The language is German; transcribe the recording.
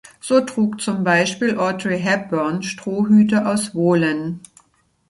So trug zum Beispiel Audrey Hepburn Strohhüte aus Wohlen.